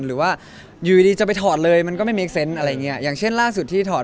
รึว่าอยู่ดีจะไปถอดเลยมันก็ไม่เม้เมสเซนส์